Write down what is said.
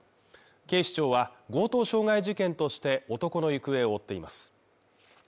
警視庁は強盗傷害事件として男の行方を追っています。